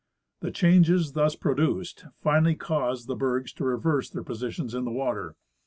The changes thus pro duced finally cause the bergs to reverse their positions in the water.